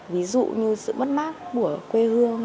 ví dụ như sự bất mát của quê hương